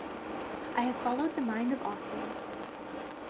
I have followed the mind of Austin.